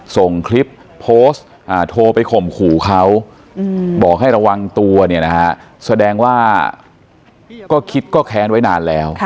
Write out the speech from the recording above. ส่งคลิปโพสต์โทรไปข่มขู่เขาบอกให้ระวังตัวเนี่ยนะฮะแสดงว่าก็คิดก็แค้นไว้นานแล้ว